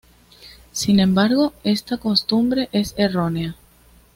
Sin embargo esta costumbre es errónea.